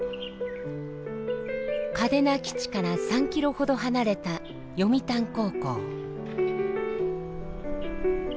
嘉手納基地から３キロほど離れた読谷高校。